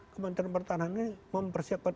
kementerian pertahanannya mempersiapkan